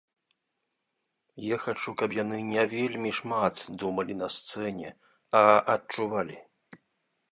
Я хачу, каб яны не вельмі шмат думалі на сцэне, а адчувалі.